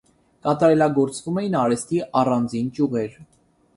Կատարելագործվում էին արհեստի առանձին ճյուղեր։